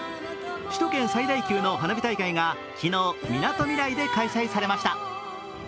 首都圏最大級の花火大会が昨日、みなとみらいで開催されました。